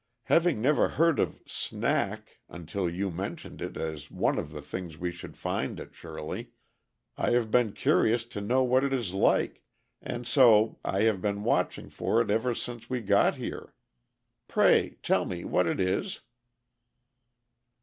Having never heard of 'snack' until you mentioned it as one of the things we should find at Shirley, I have been curious to know what it is like, and so I have been watching for it ever since we got here. Pray tell me what it is?"